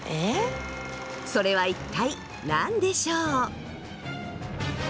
それは一体何でしょう？